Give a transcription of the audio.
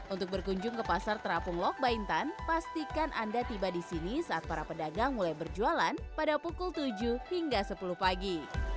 untuk berkunjung ke pasar terapung lok baintan pastikan anda tiba di sini saat para pedagang mulai berjualan pada pukul tujuh hingga sepuluh pagi